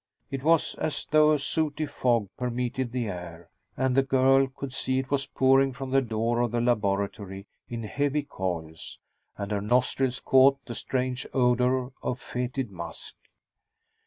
It was as though a sooty fog permeated the air, and the girl could see it was pouring from the door of the laboratory in heavy coils. And her nostrils caught the strange odor of fetid musk.